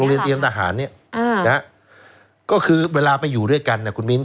โรงเรียนเตรียมทหารเนี้ยอ่าก็คือเวลาไปอยู่ด้วยกันเนี้ยคุณมีน